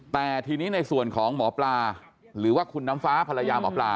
แต่ทีนี้ในส่วนของหมอปลาหรือว่าคุณน้ำฟ้าภรรยาหมอปลา